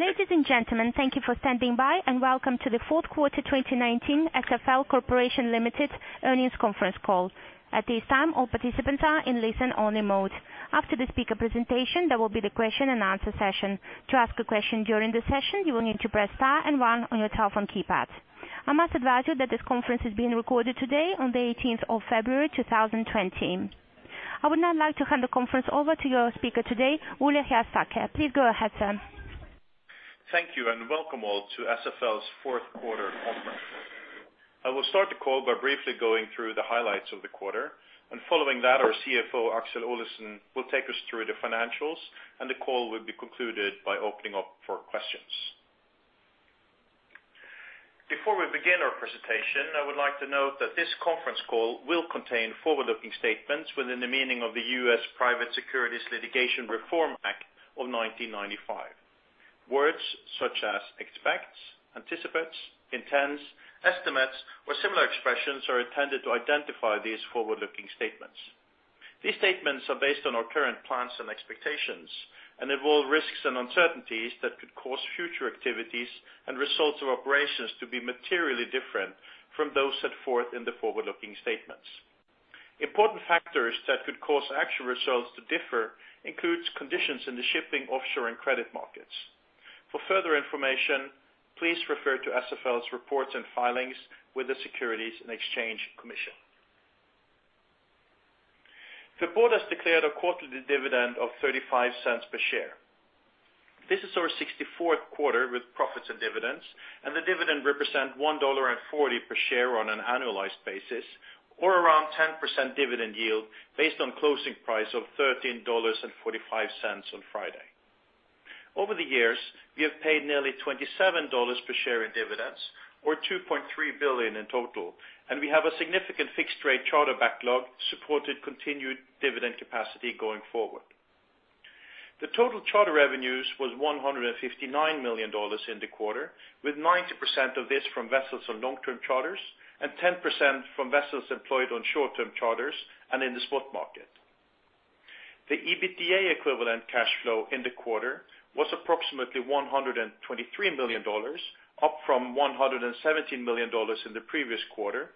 Ladies and gentlemen, thank you for standing by, and welcome to the fourth quarter 2019 SFL Corporation Ltd earnings conference call. At this time, all participants are in listen only mode. After the speaker presentation, there will be the question and answer session. To ask a question during the session, you will need to press star and one on your telephone keypad. I must advise you that this conference is being recorded today on the 18th of February, 2020. I would now like to hand the conference over to your speaker today, Ole Hjertaker. Please go ahead, sir. Thank you, welcome all to SFL's fourth quarter conference. I will start the call by briefly going through the highlights of the quarter, and following that our CFO, Aksel Olesen, will take us through the financials, and the call will be concluded by opening up for questions. Before we begin our presentation, I would like to note that this conference call will contain forward-looking statements within the meaning of the Private Securities Litigation Reform Act of 1995. Words such as expects, anticipates, intends, estimates, or similar expressions are intended to identify these forward-looking statements. These statements are based on our current plans and expectations and involve risks and uncertainties that could cause future activities and results of operations to be materially different from those set forth in the forward-looking statements. Important factors that could cause actual results to differ includes conditions in the shipping, offshore, and credit markets. For further information, please refer to SFL's reports and filings with the Securities and Exchange Commission. The board has declared a quarterly dividend of $0.35 per share. This is our 64th quarter with profits and dividends. The dividend represent $1.40 per share on an annualized basis, or around 10% dividend yield based on closing price of $13.45 on Friday. Over the years, we have paid nearly $27 per share in dividends or $2.3 billion in total. We have a significant fixed rate charter backlog supported continued dividend capacity going forward. The total charter revenues was $159 million in the quarter, with 90% of this from vessels on long-term charters and 10% from vessels employed on short-term charters and in the spot market. The EBITDA equivalent cash flow in the quarter was approximately $123 million, up from $117 million in the previous quarter.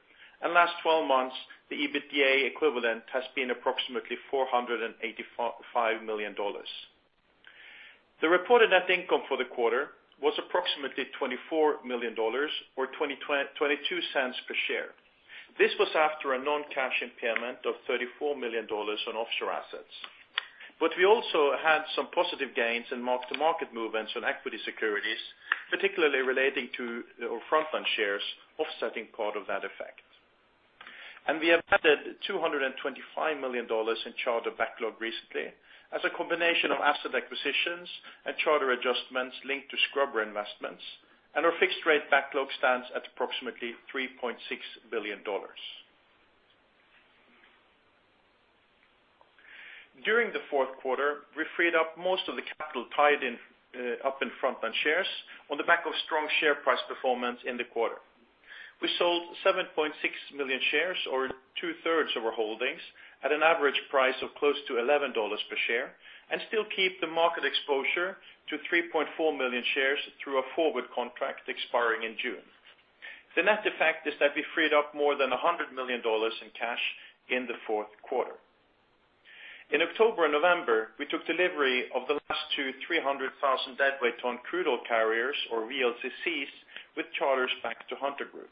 Last 12 months, the EBITDA equivalent has been approximately $485 million. The reported net income for the quarter was approximately $24 million, or $0.22 per share. This was after a non-cash impairment of $34 million on offshore assets. We also had some positive gains in mark-to-market movements on equity securities, particularly relating to our Frontline shares offsetting part of that effect. We have added $225 million in charter backlog recently as a combination of asset acquisitions and charter adjustments linked to scrubber investments, and our fixed rate backlog stands at approximately $3.6 billion. During the fourth quarter, we freed up most of the capital tied up in Frontline shares on the back of strong share price performance in the quarter. We sold 7.6 million shares, or two-thirds of our holdings, at an average price of close to $11 per share and still keep the market exposure to 3.4 million shares through a forward contract expiring in June. The net effect is that we freed up more than $100 million in cash in the fourth quarter. In October and November, we took delivery of the last two 300,000 dead weight ton crude oil carriers, or VLCCs, with charters back to Hunter Group.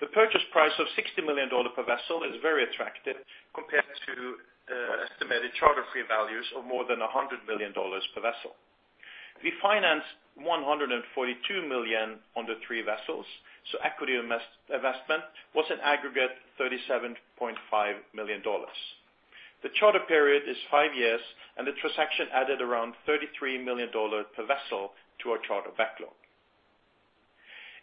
The purchase price of $60 million per vessel is very attractive compared to estimated charter free values of more than $100 million per vessel. Equity investment was an aggregate $37.5 million. The charter period is five years, and the transaction added around $33 million per vessel to our charter backlog.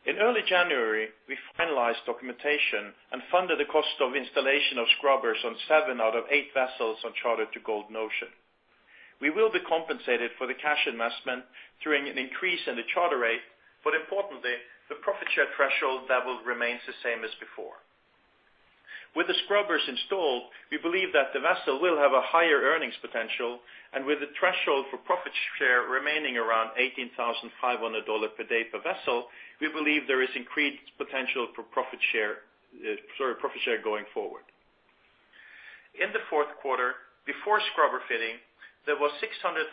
In early January, we finalized documentation and funded the cost of installation of scrubbers on seven out of eight vessels on charter to Golden Ocean. We will be compensated for the cash investment during an increase in the charter rate. Importantly, the profit share threshold level remains the same as before. With the scrubbers installed, we believe that the vessel will have a higher earnings potential. With the threshold for profit share remaining around $18,500 per day per vessel, we believe there is increased potential for profit share going forward. In the fourth quarter, before scrubber fitting, there was $600,000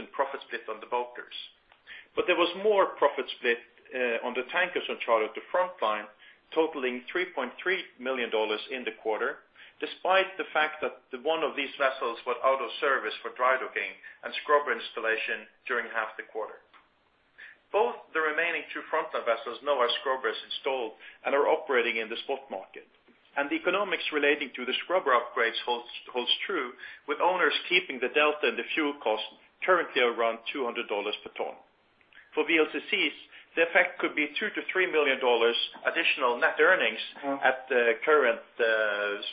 in profit split on the bulkers. There was more profit split on the tankers on charter to Frontline, totaling $3.3 million in the quarter, despite the fact that one of these vessels was out of service for dry docking and scrubber installation during half the quarter. Both the remaining two Frontline vessels now have scrubbers installed and are operating in the spot market, and the economics relating to the scrubber upgrades holds true with owners keeping the delta and the fuel cost currently around $200 per ton. For VLCCs, the effect could be $2 million-$3 million additional net earnings at the current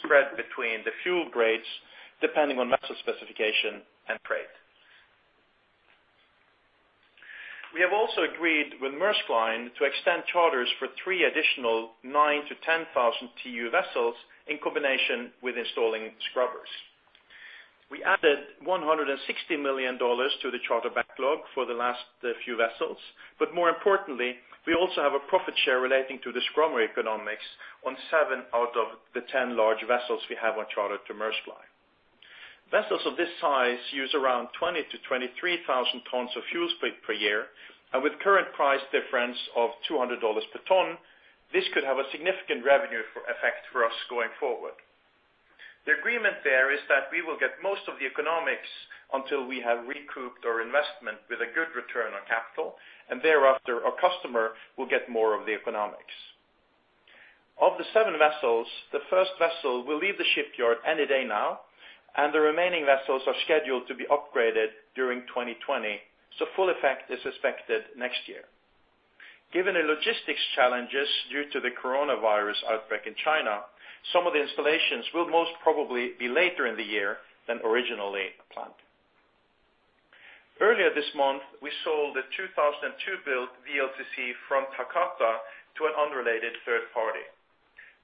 spread between the fuel grades, depending on vessel specification and freight. We have also agreed with Maersk Line to extend charters for three additional 9,000-10,000 TEU vessels in combination with installing scrubbers. We added $160 million to the charter backlog for the last few vessels. More importantly, we also have a profit share relating to the scrubber economics on seven out of the 10 large vessels we have on charter to Maersk Line. Vessels of this size use around 20,000 to 23,000 tons of fuel split per year, and with current price difference of $200 per ton, this could have a significant revenue effect for us going forward. The agreement there is that we will get most of the economics until we have recouped our investment with a good return on capital, and thereafter, our customer will get more of the economics. Of the seven vessels, the first vessel will leave the shipyard any day now, and the remaining vessels are scheduled to be upgraded during 2020. Full effect is expected next year. Given the logistics challenges due to the coronavirus outbreak in China, some of the installations will most probably be later in the year than originally planned. Earlier this month, we sold a 2002-built VLCC Front Hakata to an unrelated third party.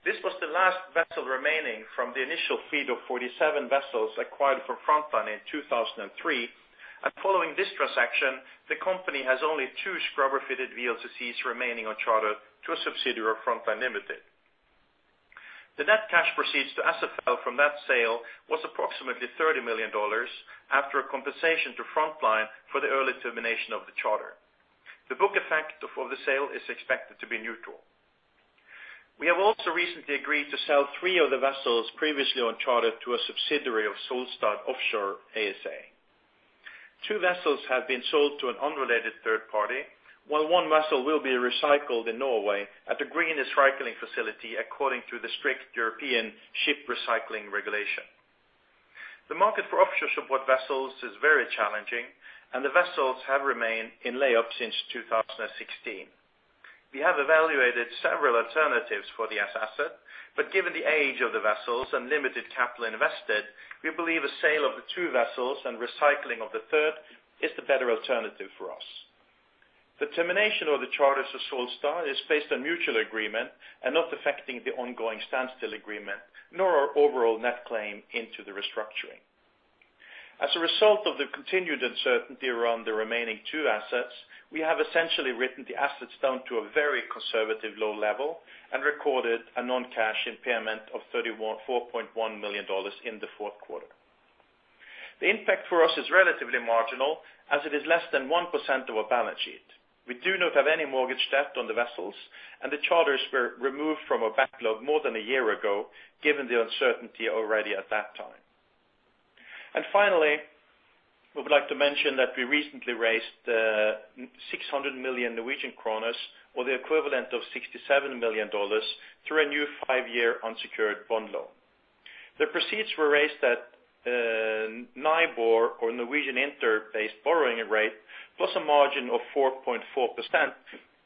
This was the last vessel remaining from the initial fleet of 47 vessels acquired from Frontline in 2003. Following this transaction, the company has only two scrubber-fitted VLCCs remaining on charter to a subsidiary of Frontline Limited. The net cash proceeds to SFL from that sale was approximately $30 million after a compensation to Frontline for the early termination of the charter. The book effect for the sale is expected to be neutral. We have also recently agreed to sell three other vessels previously on charter to a subsidiary of Solstad Offshore ASA. Two vessels have been sold to an unrelated third party, while one vessel will be recycled in Norway at the greenest recycling facility according to the strict European Union Ship Recycling Regulation. The market for offshore support vessels is very challenging, and the vessels have remained in lay-up since 2016. We have evaluated several alternatives for this asset, but given the age of the vessels and limited capital invested, we believe a sale of the two vessels and recycling of the third is the better alternative for us. The termination of the charters of Solstad is based on mutual agreement and not affecting the ongoing standstill agreement, nor our overall net claim into the restructuring. As a result of the continued uncertainty around the remaining two assets, we have essentially written the assets down to a very conservative low level and recorded a non-cash impairment of $34.1 million in the fourth quarter. The impact for us is relatively marginal, as it is less than 1% of our balance sheet. We do not have any mortgage debt on the vessels, and the charters were removed from our backlog more than a year ago, given the uncertainty already at that time. Finally, we would like to mention that we recently raised 600 million Norwegian kroner, or the equivalent of $67 million, through a new five-year unsecured bond loan. The proceeds were raised at NIBOR, or Norwegian Interbank Offered Rate, plus a margin of 4.4%,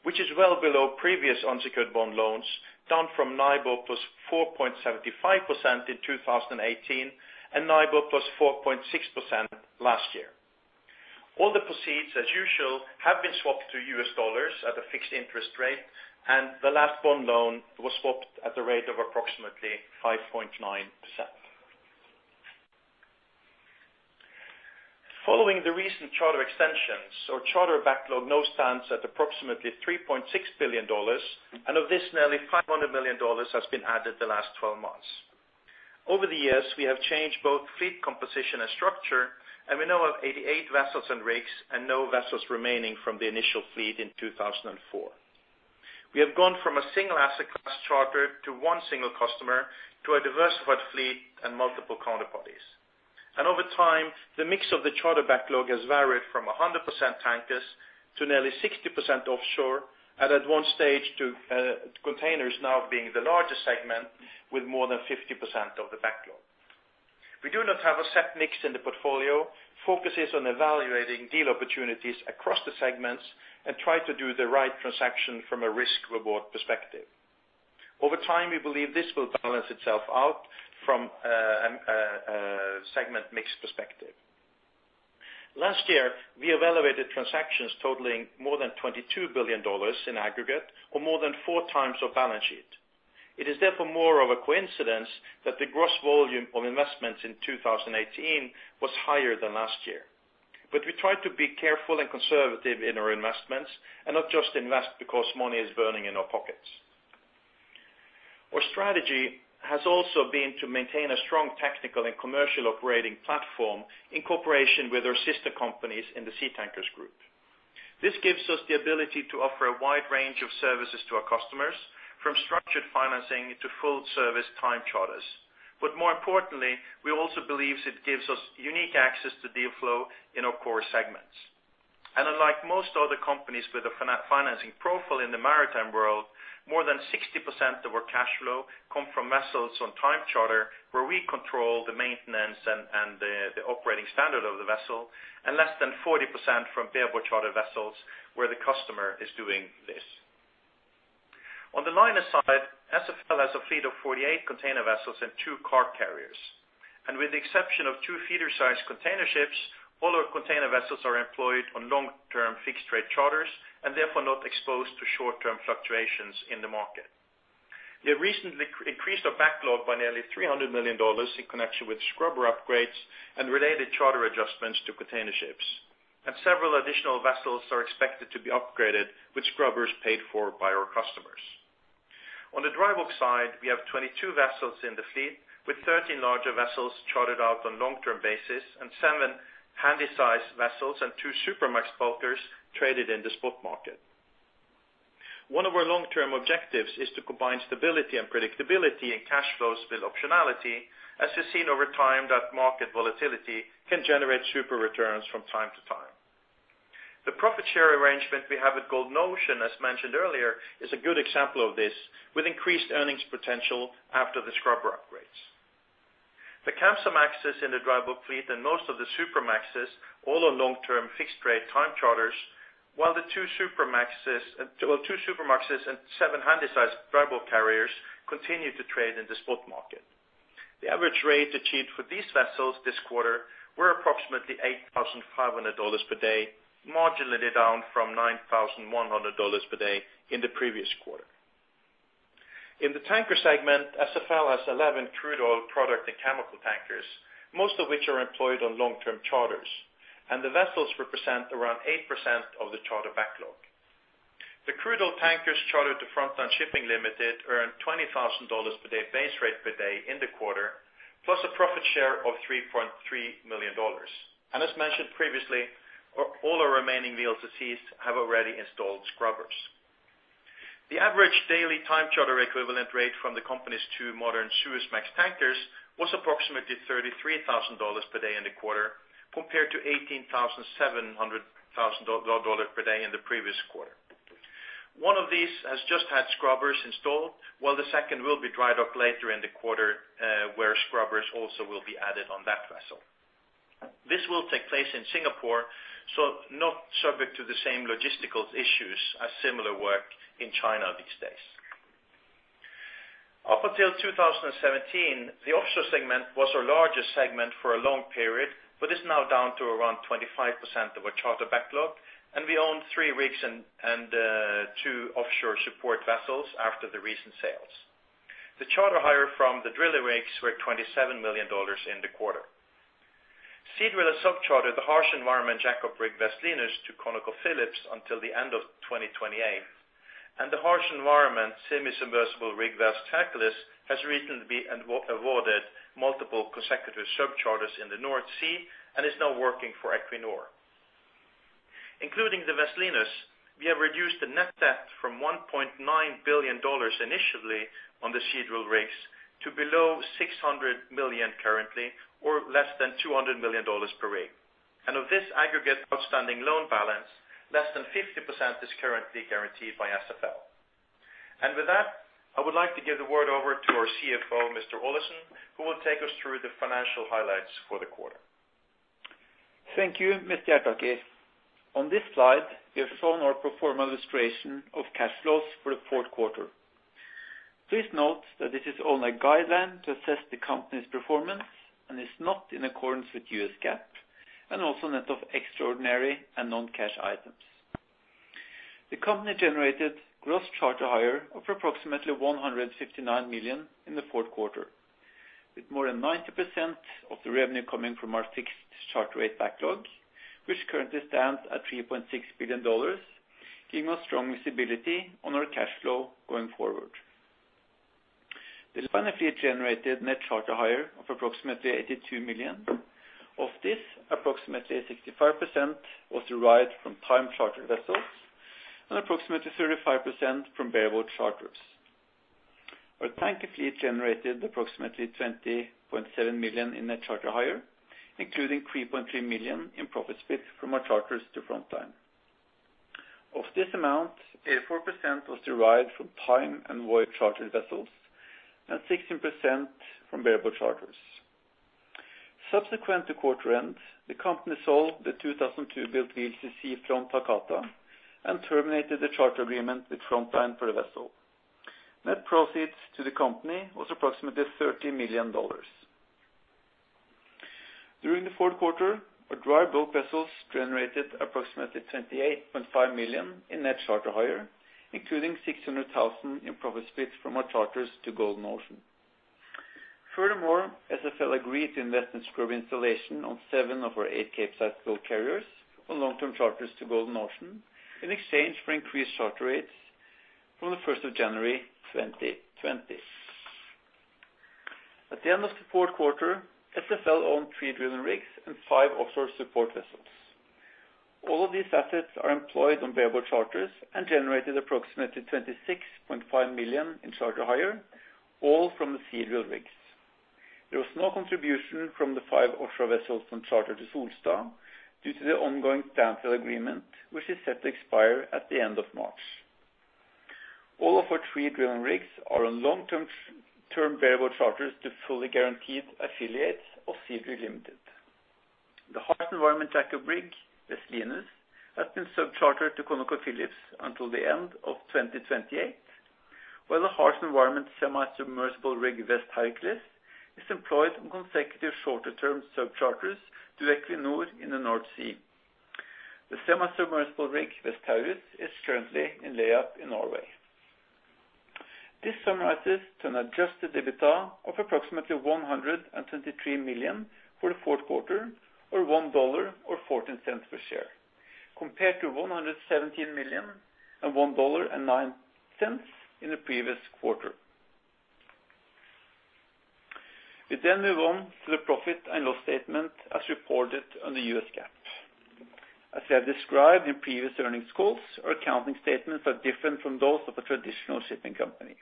which is well below previous unsecured bond loans, down from NIBOR plus 4.75% in 2018 and NIBOR plus 4.6% last year. All the proceeds, as usual, have been swapped to US dollars at a fixed interest rate, and the last bond loan was swapped at the rate of approximately 5.9%. Following the recent charter extensions, our charter backlog now stands at approximately $3.6 billion, and of this, nearly $500 million has been added the last 12 months. Over the years, we have changed both fleet composition and structure, and we now have 88 vessels and rigs and no vessels remaining from the initial fleet in 2004. We have gone from a single asset class charter to one single customer to a diversified fleet and multiple counterparties. Over time, the mix of the charter backlog has varied from 100% tankers to nearly 60% offshore, and at one stage, to containers now being the largest segment with more than 50% of the backlog. We do not have a set mix in the portfolio. Focus is on evaluating deal opportunities across the segments and try to do the right transaction from a risk/reward perspective. Over time, we believe this will balance itself out from a segment mix perspective. Last year, we evaluated transactions totaling more than $22 billion in aggregate or more than 4x our balance sheet. It is therefore more of a coincidence that the gross volume of investments in 2018 was higher than last year. We try to be careful and conservative in our investments and not just invest because money is burning in our pockets. Our strategy has also been to maintain a strong technical and commercial operating platform in cooperation with our sister companies in the Seatankers Group. This gives us the ability to offer a wide range of services to our customers, from structured financing to full-service time charters. More importantly, we also believe it gives us unique access to deal flow in our core segments. Unlike most other companies with a financing profile in the maritime world, more than 60% of our cash flow come from vessels on time charter where we control the maintenance and the operating standard of the vessel, and less than 40% from bareboat charter vessels where the customer is doing this. On the liner side, SFL has a fleet of 48 container vessels and two car carriers. With the exception of two feeder-sized container ships, all our container vessels are employed on long-term fixed-rate charters and therefore not exposed to short-term fluctuations in the market. We have recently increased our backlog by nearly $300 million in connection with scrubber upgrades and related charter adjustments to container ships. Several additional vessels are expected to be upgraded with scrubbers paid for by our customers. On the dry bulk side, we have 22 vessels in the fleet, with 13 larger vessels chartered out on long-term basis and seven handy-sized vessels and two Supramax bulkers traded in the spot market. One of our long-term objectives is to combine stability and predictability in cash flows with optionality, as we've seen over time that market volatility can generate super returns from time to time. The profit share arrangement we have at Golden Ocean, as mentioned earlier, is a good example of this, with increased earnings potential after the scrubber upgrades. The Kamsarmaxes in the dry bulk fleet and most of the Supramaxes, all on long-term fixed rate time charters, while the two Supramaxes and seven Handysize dry bulk carriers continue to trade in the spot market. The average rate achieved for these vessels this quarter were approximately $8,500 per day, marginally down from $9,100 per day in the previous quarter. In the tanker segment, SFL has 11 crude oil product and chemical tankers, most of which are employed on long-term charters, and the vessels represent around 8% of the charter backlog. The crude oil tankers chartered to Frontline Ltd. earned $20,000 per day base rate per day in the quarter, plus a profit share of $3.3 million. As mentioned previously, all our remaining VLCCs have already installed scrubbers. The average daily time charter equivalent rate from the company's two modern Suezmax tankers was approximately $33,000 per day in the quarter, compared to $18,700 per day in the previous quarter. One of these has just had scrubbers installed, while the second will be dried up later in the quarter, where scrubbers also will be added on that vessel. This will take place in Singapore, so not subject to the same logistical issues as similar work in China these days. Up until 2017, the offshore segment was our largest segment for a long period, but is now down to around 25% of our charter backlog, and we own three rigs and two offshore support vessels after the recent sales. The charter hire from the drilling rigs were $27 million in the quarter. Seadrill has subchartered the harsh environment jackup rig, West Linus, to ConocoPhillips until the end of 2028. The harsh environment semi-submersible rig, West Hercules, has recently been awarded multiple consecutive subcharters in the North Sea and is now working for Equinor. Including the West Linus, we have reduced the net debt from $1.9 billion initially on the Seadrill rigs to below $600 million currently or less than $200 million per rig. Of this aggregate outstanding loan balance, less than 50% is currently guaranteed by SFL. With that, I would like to give the word over to our CFO, Mr. Olesen, who will take us through the financial highlights for the quarter. Thank you, Mr. Hjertaker. On this slide, we have shown our pro forma illustration of cash flows for the fourth quarter. Please note that this is only a guideline to assess the company's performance and is not in accordance with US GAAP and also net of extraordinary and non-cash items. The company generated gross charter hire of approximately $159 million in the fourth quarter. With more than 90% of the revenue coming from our fixed charter rate backlog, which currently stands at $3.6 billion, giving us strong visibility on our cash flow going forward. The liner fleet generated net charter hire of approximately $82 million. Of this, approximately 65% was derived from time charter vessels and approximately 35% from bareboat charters. Our tanker fleet generated approximately $20.7 million in net charter hire, including $3.3 million in profit split from our charters to Frontline. Of this amount, 84% was derived from time and voyage charter vessels and 16% from bareboat charters. Subsequent to quarter end, the company sold the 2002 built VLCC, Front Hakata, and terminated the charter agreement with Frontline for the vessel. Net proceeds to the company was approximately $30 million. During the fourth quarter, our dry bulk vessels generated approximately $28.5 million in net charter hire, including $600,000 in profit split from our charters to Golden Ocean. Furthermore, SFL agreed to invest in scrubber installation on seven of our eight Capesize bulk carriers on long-term charters to Golden Ocean in exchange for increased charter rates from the 1st of January 2020. At the end of the fourth quarter, SFL owned three drilling rigs and five offshore support vessels. All of these assets are employed on bareboat charters and generated approximately $26.5 million in charter hire, all from the Seadrill rigs. There was no contribution from the five offshore vessels on charter to Solstad due to the ongoing standstill agreement, which is set to expire at the end of March. All of our three drilling rigs are on long-term bareboat charters to fully guaranteed affiliates of Seadrill Ltd. The harsh environment jackup rig, West Linus, has been subchartered to ConocoPhillips until the end of 2028, while the harsh environment semi-submersible rig, West Hercules, is employed on consecutive shorter-term subcharters to Equinor in the North Sea. The semi-submersible rig West Taurus is currently in layup in Norway. This summarizes to an adjusted EBITDA of approximately $123 million for the fourth quarter, or $1 or $0.14 per share, compared to $117 million and $1.09 in the previous quarter. We move on to the profit and loss statement as reported under the US GAAP. As I have described in previous earnings calls, our accounting statements are different from those of a traditional shipping company.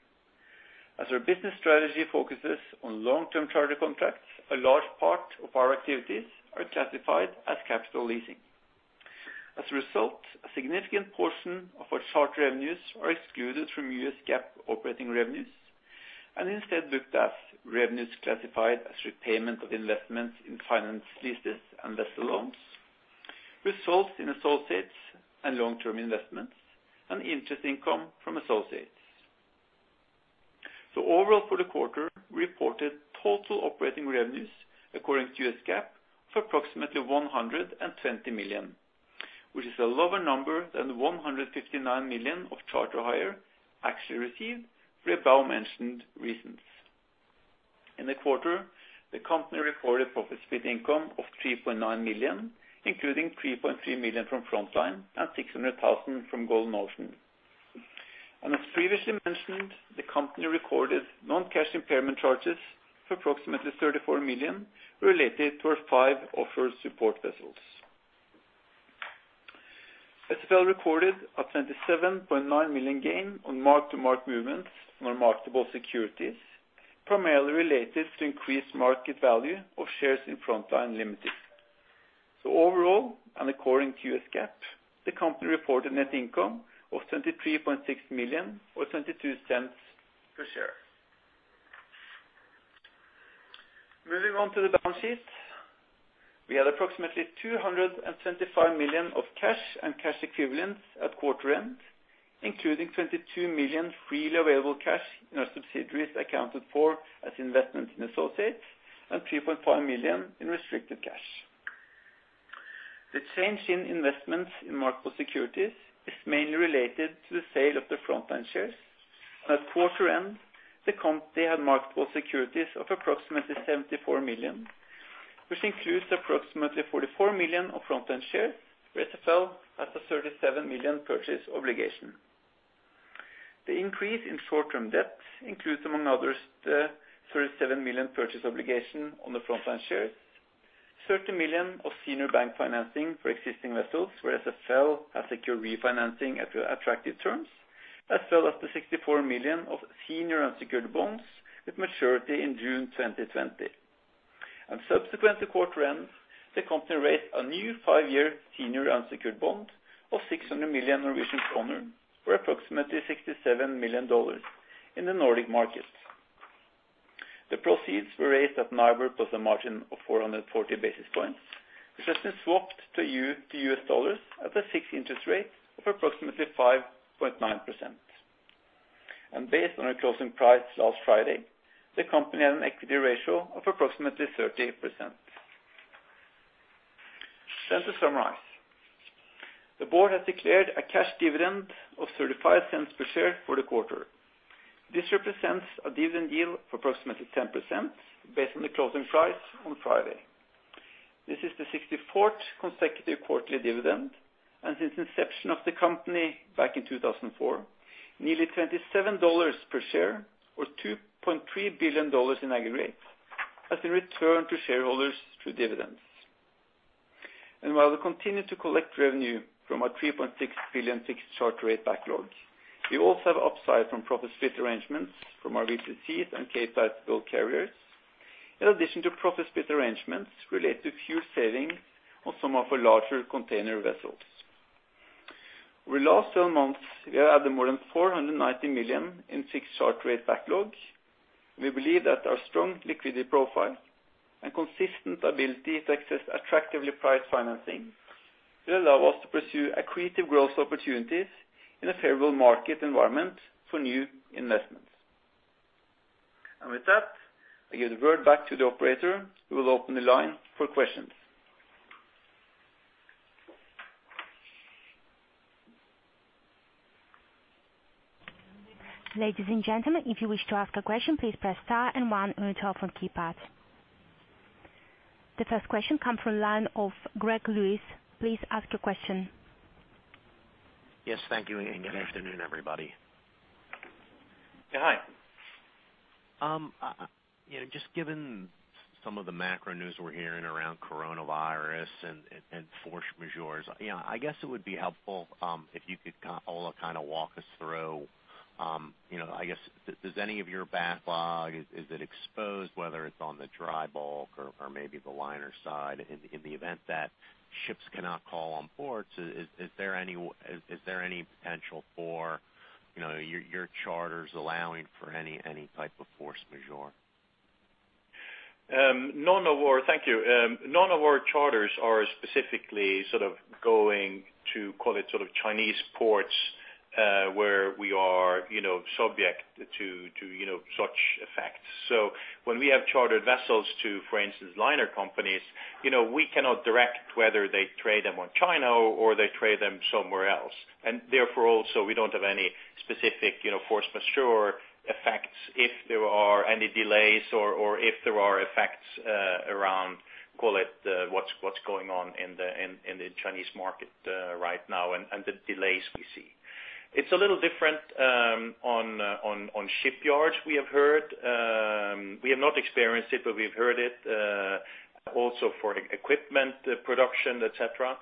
As our business strategy focuses on long-term charter contracts, a large part of our activities are classified as capital leasing. As a result, a significant portion of our chart revenues are excluded from US GAAP operating revenues, and instead looked at as revenues classified as repayment of investments in finance leases and vessel loans, results in associates and long-term investments, and interest income from associates. Overall for the quarter, we reported total operating revenues according to US GAAP, of approximately $120 million, which is a lower number than the $159 million of charter hire actually received for the above mentioned reasons. In the quarter, the company reported profit split income of $3.9 million, including $3.3 million from Frontline and $600,000 from Golden Ocean. As previously mentioned, the company recorded non-cash impairment charges of approximately $34 million related to our five offshore support vessels. SFL recorded a $27.9 million gain on mark-to-market movements on our marketable securities, primarily related to increased market value of shares in Frontline Ltd. Overall, and according to US GAAP, the company reported net income of $23.6 million or $0.22 per share. Moving on to the balance sheet. We had approximately $225 million of cash and cash equivalents at quarter end, including $22 million freely available cash in our subsidiaries accounted for as investments in associates, and $3.5 million in restricted cash. The change in investments in marketable securities is mainly related to the sale of the Frontline shares. At quarter end, the company had marketable securities of approximately $74 million, which includes approximately $44 million of Frontline shares, where SFL has a $37 million purchase obligation. The increase in short-term debt includes, among others, the $37 million purchase obligation on the Frontline shares, $30 million of senior bank financing for existing vessels, where SFL has secured refinancing at attractive terms. As well as the $64 million of senior unsecured bonds with maturity in June 2020. Subsequent to quarter end, the company raised a new five-year senior unsecured bond of 600 million Norwegian kroner, or approximately $67 million, in the Nordic market. The proceeds were raised at NIBOR plus a margin of 440 basis points, which has been swapped to US dollars at a fixed interest rate of approximately 5.9%. Based on our closing price last Friday, the company had an equity ratio of approximately 30%. To summarize. The board has declared a cash dividend of $0.35 per share for the quarter. This represents a dividend yield of approximately 10% based on the closing price on Friday. This is the 64th consecutive quarterly dividend. Since inception of the company back in 2004, nearly $27 per share or $2.3 billion in aggregate has been returned to shareholders through dividends. While we continue to collect revenue from our $3.6 billion fixed charter rate backlog, we also have upside from profit split arrangements from our VLCCs and Kamsarmax bulk carriers. In addition to profit split arrangements related to fuel savings on some of our larger container vessels. Over the last 12 months, we have added more than $490 million in fixed charter rate backlog. We believe that our strong liquidity profile and consistent ability to access attractively priced financing will allow us to pursue accretive growth opportunities in a favorable market environment for new investments. With that, I give the word back to the operator, who will open the line for questions. Ladies and gentlemen, if you wish to ask a question, please press star and one on your telephone keypad. The first question comes from line of Greg Lewis. Please ask your question. Yes, thank you and good afternoon, everybody. Yeah, hi. Just given some of the macro news we're hearing around coronavirus and force majeurs, I guess it would be helpful if you could, Ole, walk us through, I guess, does any of your backlog, is it exposed whether it's on the dry bulk or maybe the liner side in the event that ships cannot call on ports? Is there any potential for your charters allowing for any type of force majeure? Thank you. None of our charters are specifically going to call it Chinese ports. Where we are subject to such effects. When we have chartered vessels to, for instance, liner companies, we cannot direct whether they trade them on China or they trade them somewhere else. Therefore, also, we don't have any specific force majeure effects if there are any delays or if there are effects around, call it, what's going on in the Chinese market right now and the delays we see. It's a little different on shipyards, we have heard. We have not experienced it, but we've heard it, also for equipment production, et cetera.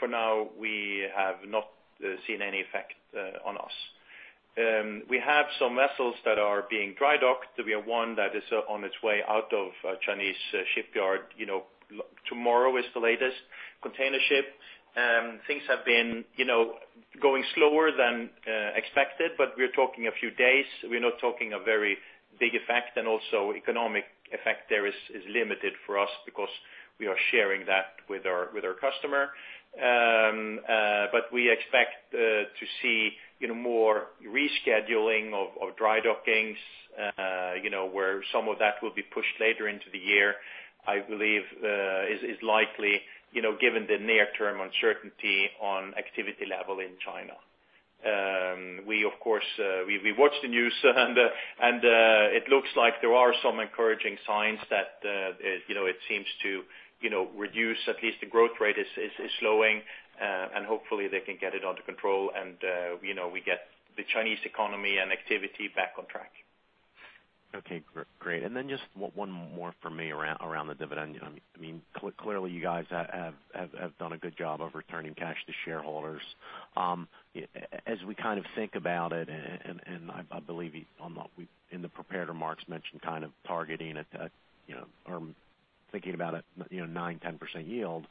For now, we have not seen any effect on us. We have some vessels that are being dry docked. We have one that is on its way out of a Chinese shipyard tomorrow is the latest container ship. Things have been going slower than expected, but we are talking a few days. We are not talking a very big effect. Also economic effect there is limited for us because we are sharing that with our customer. We expect to see more rescheduling of dry dockings, where some of that will be pushed later into the year, I believe is likely, given the near-term uncertainty on activity level in China. We of course watch the news and it looks like there are some encouraging signs that it seems to reduce, at least the growth rate is slowing. Hopefully they can get it under control and we get the Chinese economy and activity back on track. Okay, great. Just one more from me around the dividend. Clearly you guys have done a good job of returning cash to shareholders. As we think about it and I believe on what we in the prepared remarks mentioned kind of targeting it or thinking about a 9%-10% yield.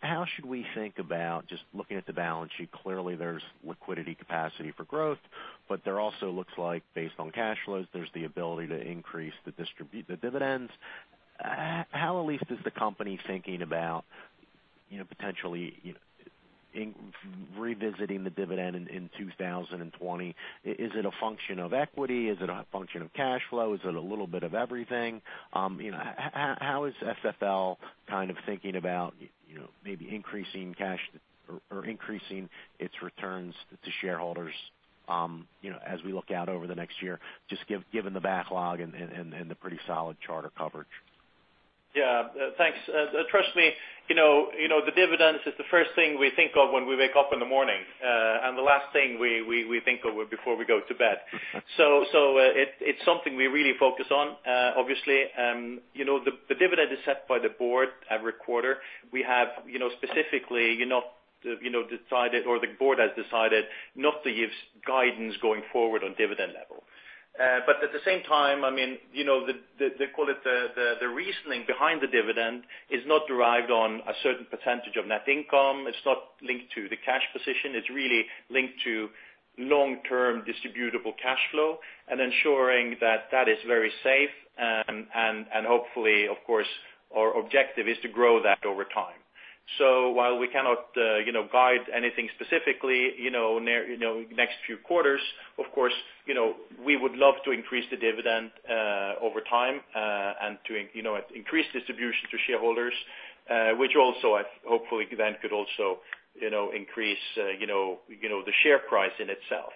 How should we think about just looking at the balance sheet, clearly there's liquidity capacity for growth, but there also looks like based on cash flows, there's the ability to increase the dividends. How at least is the company thinking about potentially revisiting the dividend in 2020? Is it a function of equity? Is it a function of cash flow? Is it a little bit of everything? How is SFL thinking about maybe increasing cash or increasing its returns to shareholders as we look out over the next year, just given the backlog and the pretty solid charter coverage? Yeah. Thanks. Trust me, the dividends is the first thing we think of when we wake up in the morning, and the last thing we think of before we go to bed. It's something we really focus on. Obviously, the dividend is set by the board every quarter. We have specifically decided, or the board has decided not to give guidance going forward on dividend level. At the same time, call it the reasoning behind the dividend is not derived on a certain percentage of net income. It's not linked to the cash position. It's really linked to long-term distributable cash flow and ensuring that that is very safe. Hopefully, of course, our objective is to grow that over time. While we cannot guide anything specifically, next few quarters, of course, we would love to increase the dividend over time, and to increase distribution to shareholders, which also hopefully then could also increase the share price in itself.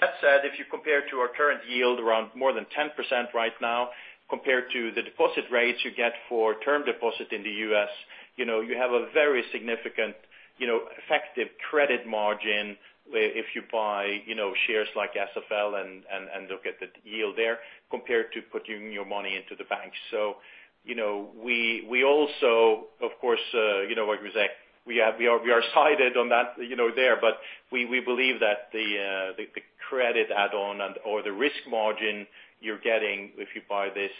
That said, if you compare to our current yield around more than 10% right now, compared to the deposit rates you get for term deposit in the U.S., you have a very significant effective credit margin where if you buy shares like SFL and look at the yield there compared to putting your money into the bank. We also, of course, like we say, we are sided on that there, but we believe that the credit add-on or the risk margin you're getting if you buy this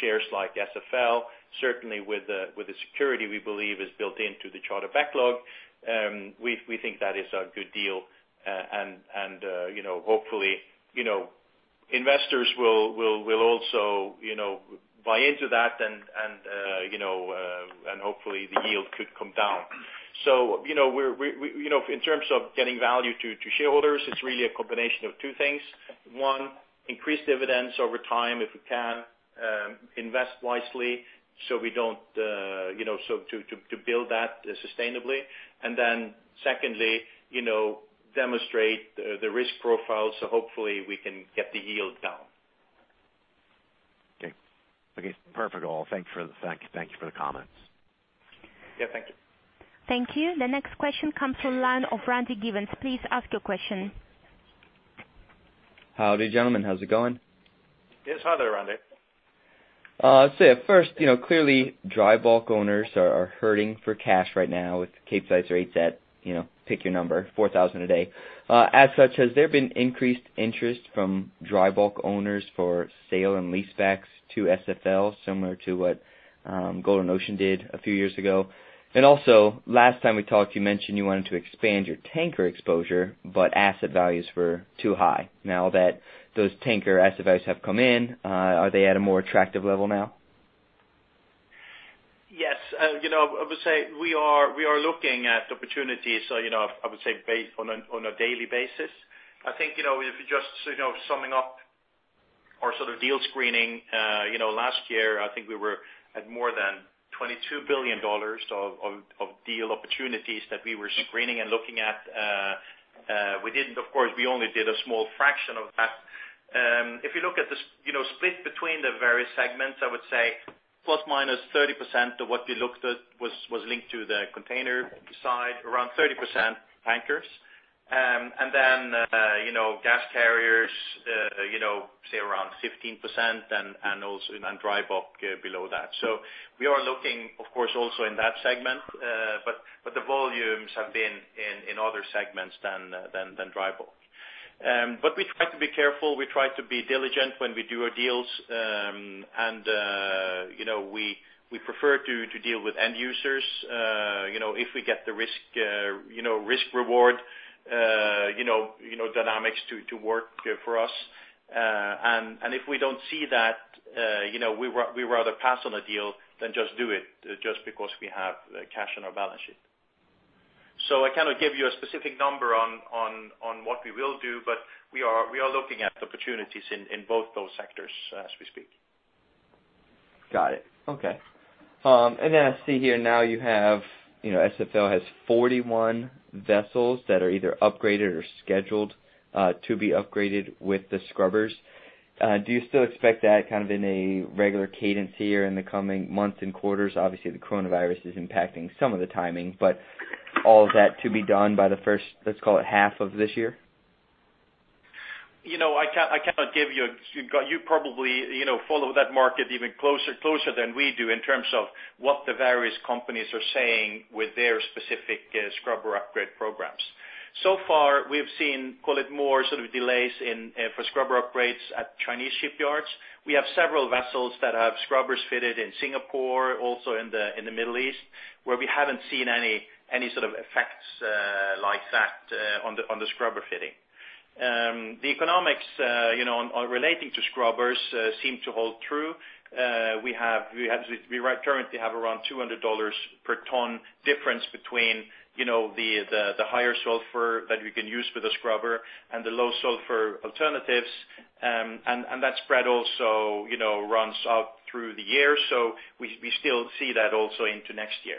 shares like SFL, certainly with the security we believe is built into the charter backlog, we think that is a good deal. Hopefully, investors will also buy into that and hopefully the yield could come down. In terms of getting value to shareholders, it's really a combination of two things. One, increase dividends over time if we can, invest wisely so to build that sustainably. Secondly, demonstrate the risk profile so hopefully we can get the yield down. Okay. Perfect. Well, thank you for the comments. Yeah. Thank you. Thank you. The next question comes from the line of Randy Giveans. Please ask your question. Howdy, gentlemen. How's it going? Yes. Hi there, Randy. I'd say first, clearly dry bulk owners are hurting for cash right now with Capesize rates at, pick your number, $4,000 a day. As such, has there been increased interest from dry bulk owners for sale and lease backs to SFL similar to what Golden Ocean did a few years ago? Also last time we talked, you mentioned you wanted to expand your tanker exposure, but asset values were too high. Now that those tanker asset values have come in, are they at a more attractive level now? Yes. I would say we are looking at opportunities on a daily basis. I think if you're just summing up our sort of deal screening, last year, I think we were at more than $22 billion of deal opportunities that we were screening and looking at. We didn't, of course, we only did a small fraction of that. If you look at the split between the various segments, I would say plus or minus 30% of what we looked at was linked to the container side, around 30% tankers. Gas carriers, say around 15%, and dry bulk below that. We are looking, of course, also in that segment. The volumes have been in other segments than dry bulk. We try to be careful, we try to be diligent when we do our deals, and we prefer to deal with end users if we get the risk-reward dynamics to work for us. If we don't see that we would rather pass on a deal than just do it just because we have cash on our balance sheet. I cannot give you a specific number on what we will do, but we are looking at opportunities in both those sectors as we speak. Got it. Okay. I see here now SFL has 41 vessels that are either upgraded or scheduled to be upgraded with the scrubbers. Do you still expect that kind of in a regular cadence here in the coming months and quarters? Obviously, the coronavirus is impacting some of the timing, but all of that to be done by the first, let's call it, half of this year? You probably follow that market even closer than we do in terms of what the various companies are saying with their specific scrubber upgrade programs. So far, we have seen, call it more sort of delays for scrubber upgrades at Chinese shipyards. We have several vessels that have scrubbers fitted in Singapore, also in the Middle East, where we haven't seen any sort of effects like that on the scrubber fitting. The economics relating to scrubbers seem to hold true. We currently have around $200 per ton difference between the higher sulfur that you can use for the scrubber and the low sulfur alternatives. That spread also runs out through the year. We still see that also into next year.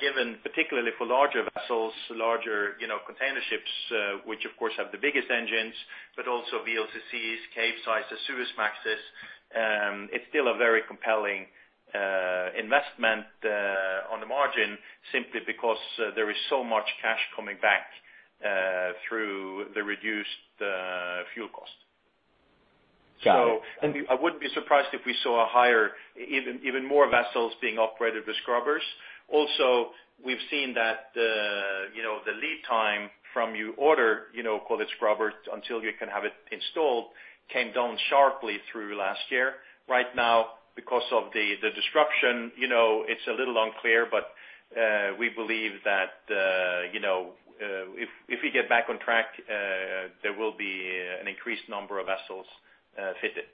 Given particularly for larger vessels, larger container ships, which of course have the biggest engines, but also VLCCs, Capesizes, Suezmaxes, it's still a very compelling investment on the margin simply because there is so much cash coming back through the reduced fuel cost. Got it. I wouldn't be surprised if we saw a higher, even more vessels being upgraded with scrubbers. We've seen that the lead time from you order call it scrubber, until you can have it installed, came down sharply through last year. Right now, because of the disruption, it's a little unclear, but we believe that if we get back on track, there will be an increased number of vessels fitted.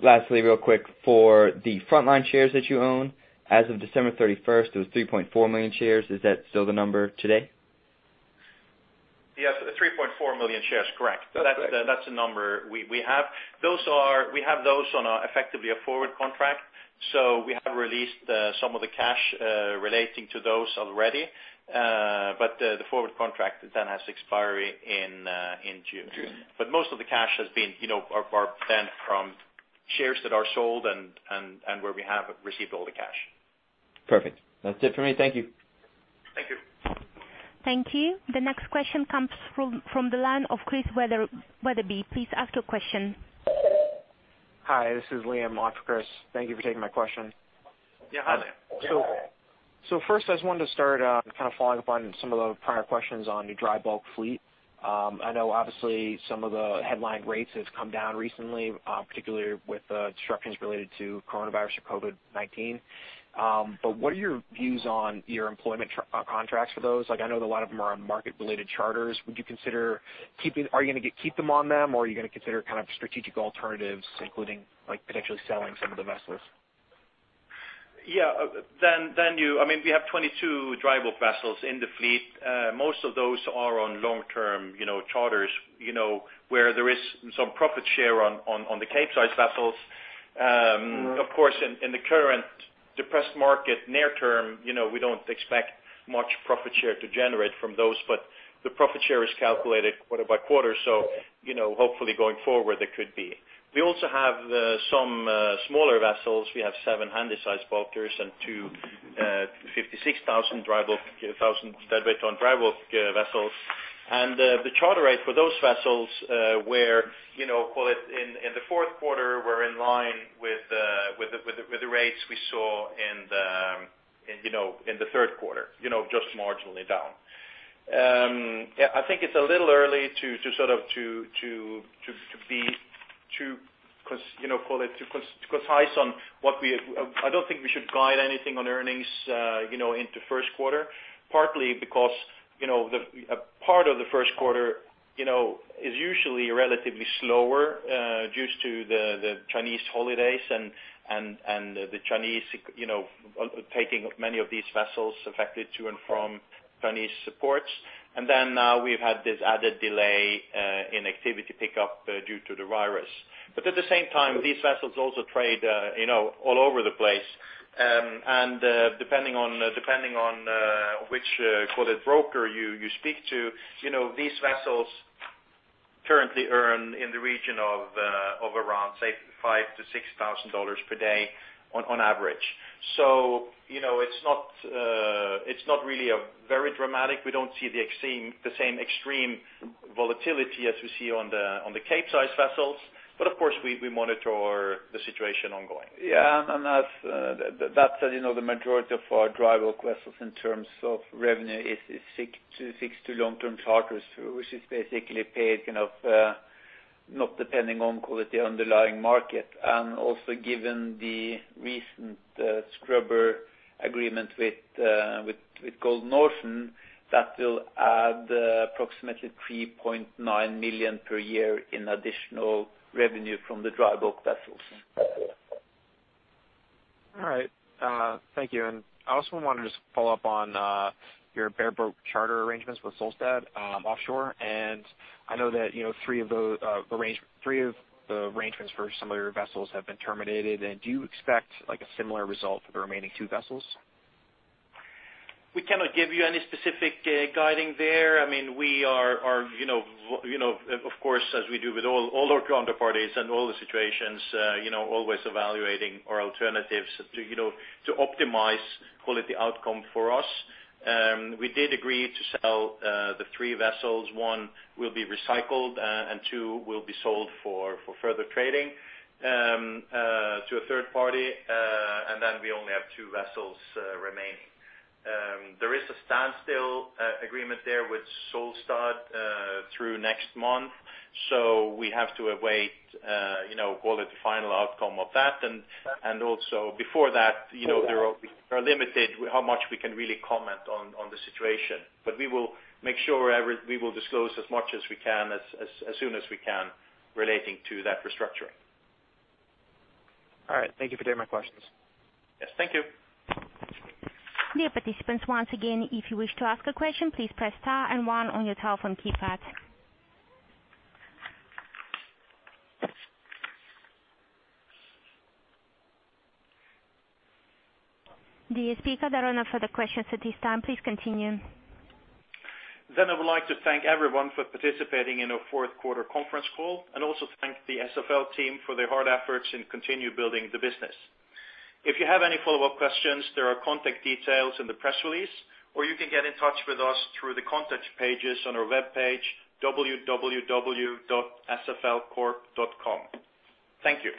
Lastly, real quick, for the Frontline shares that you own, as of December 31st, it was 3.4 million shares. Is that still the number today? Yes. 3.4 million shares. Correct. Okay. That's the number we have. We have those on effectively a forward contract. We have released some of the cash relating to those already. The forward contract has expiry in June. June. Most of the cash are then from shares that are sold and where we have received all the cash. Perfect. That's it for me. Thank you. Thank you. Thank you. The next question comes from the line of Chris Wetherbee. Please ask your question. Hi, this is Liam on for Chris. Thank you for taking my question. Yeah, hi Liam. First I just wanted to start kind of following up on some of the prior questions on the dry bulk fleet. I know obviously some of the headline rates has come down recently, particularly with disruptions related to coronavirus or COVID-19. What are your views on your employment contracts for those? I know that a lot of them are on market related charters. Would you consider keeping them on them, or are you going to consider kind of strategic alternatives, including potentially selling some of the vessels? Yeah. I mean, we have 22 dry bulk vessels in the fleet. Most of those are on long-term charters where there is some profit share on the Capesize vessels. Of course, in the current depressed market near term, we don't expect much profit share to generate from those, but the profit share is calculated quarter by quarter, so hopefully going forward, there could be. We also have some smaller vessels. We have seven Handysize bulkers and two 56,000 dry bulk deadweight ton dry bulk vessels. The charter rate for those vessels were, call it in the fourth quarter, were in line with the rates we saw in the third quarter, just marginally down. I think it's a little early to be call it too concise on what I don't think we should guide anything on earnings into first quarter, partly because a part of the first quarter is usually relatively slower due to the Chinese holidays and the Chinese taking many of these vessels affected to and from Chinese ports. Then now we've had this added delay in activity pickup due to the virus. At the same time, these vessels also trade all over the place. Depending on which call it broker you speak to, these vessels currently earn in the region of around, say, $5,000-$6,000 per day on average. It's not really very dramatic. We don't see the same extreme volatility as we see on the Capesize vessels, but of course, we monitor the situation ongoing. Yeah. That's the majority of our dry bulk vessels in terms of revenue is fixed to long-term charters, which is basically paid not depending on quality underlying market. Also, given the recent scrubber agreement with Golden Ocean, that will add approximately $3.9 million per year in additional revenue from the dry bulk vessels. All right. Thank you. I also wanted to just follow up on your bareboat charter arrangements with Solstad Offshore. I know that three of the arrangements for some of your vessels have been terminated. Do you expect a similar result for the remaining two vessels? We cannot give you any specific guiding there. We are, of course, as we do with all our counterparties and all the situations, always evaluating our alternatives to optimize quality outcome for us. We did agree to sell the three vessels. One will be recycled, and two will be sold for further trading to a third party, and then we only have two vessels remaining. There is a standstill agreement there with Solstad through next month. We have to await call it the final outcome of that. Okay We are limited how much we can really comment on the situation. We will make sure we will disclose as much as we can, as soon as we can, relating to that restructuring. All right. Thank you for taking my questions. Yes. Thank you. Dear participants, once again, if you wish to ask a question, please press star and one on your telephone keypad. The speaker there is no other questions at this time. Please continue. I would like to thank everyone for participating in our fourth quarter conference call, and also thank the SFL team for their hard efforts in continue building the business. If you have any follow-up questions, there are contact details in the press release, or you can get in touch with us through the contact pages on our webpage, www.sflcorp.com. Thank you.